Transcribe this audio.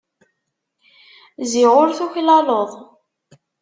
Ziɣ ur tuklaleḍ.